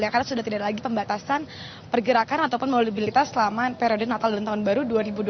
karena sudah tidak ada lagi pembatasan pergerakan ataupun mobilitas selama periode natal dan tahun baru dua ribu dua puluh dua dua ribu dua puluh tiga